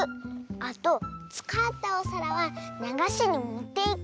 あとつかったおさらはながしにもっていく。